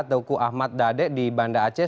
tauku ahmad dade di banda aceh